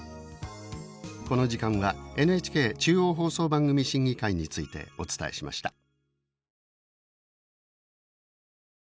この時間はＮＨＫ中央放送番組審議会についてお伝えしました。